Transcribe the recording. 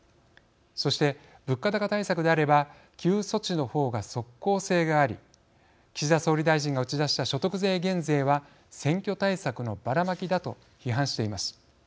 そして、物価高対策であれば給付措置の方が即効性があり岸田総理大臣が打ち出した所得税減税は選挙対策のバラマキだと批判しています。